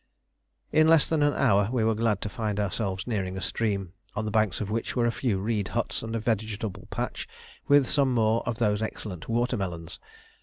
In less than an hour we were glad to find ourselves nearing a stream, on the banks of which were a few reed huts and a vegetable patch with some more of those excellent water melons.